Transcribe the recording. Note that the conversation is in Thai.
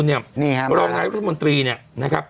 นี่ครับบ้านเกิดเมื่อนรองนายกรุธมนตรีนะครับ